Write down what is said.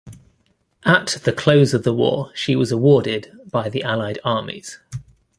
At the close of the war she was awarded by the allied armies.